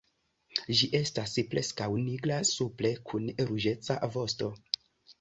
Ĝi estas preskaŭ nigra supre kun ruĝeca vosto.